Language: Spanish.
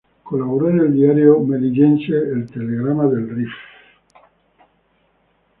Colaboró en el diario melillense "El Telegrama del Rif".